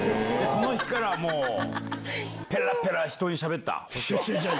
その日からもう、ぺらぺら、人にしゃべった？